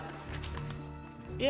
ibu apa kabar